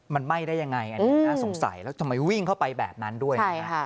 มันไหม้ได้ยังไงอันนี้น่าสงสัยแล้วทำไมวิ่งเข้าไปแบบนั้นด้วย